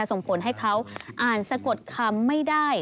ส่งผลให้เขาอ่านสะกดคำไม่ได้